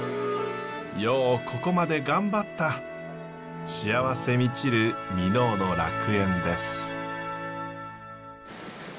ようここまで頑張った幸せ満ちる箕面の楽園です。